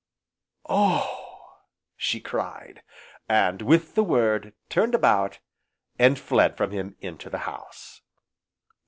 "Oh!" she cried, and, with the word, turned about, and fled from him into the house.